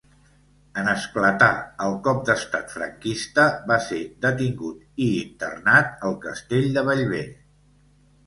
En esclatar el cop d'estat franquista va ser detingut i internat al Castell de Bellver.